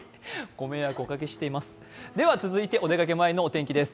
ご迷惑をおかけしております。